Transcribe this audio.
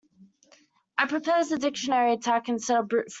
I'd propose a dictionary attack instead of brute force.